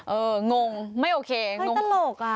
เอองงไม่โอเคงงไม่ตลกอ่ะ